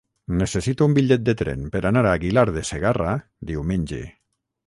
Necessito un bitllet de tren per anar a Aguilar de Segarra diumenge.